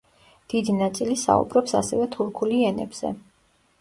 დიდი ნაწილი საუბრობს ასევე თურქული ენებზე.